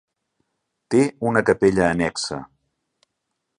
Té una capella annexa.